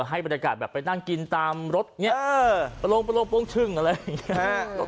ให้บรรยากาศแบบไปนั่งกินตามรถเนี้ยเออประโลกประโลกประโลกชึ้งอะไรอย่างเงี้ย